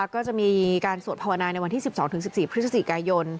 ก็จะมีการสวดภาวนาในวันที่๑๒๑๔พฤศจิกายน